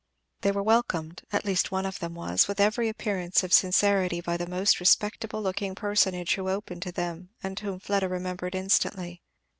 They were welcomed, at least one of them was, with every appearance of sincerity by the most respectable looking personage who opened to them and whom Fleda remembered instantly.